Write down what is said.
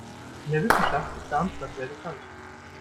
In der Wissenschaft ist Darmstadt sehr bekannt.